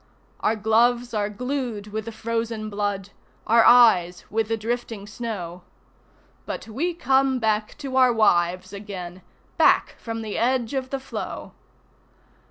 Our gloves are glued with the frozen blood, Our eyes with the drifting snow; But we come back to our wives again, Back from the edge of the floe!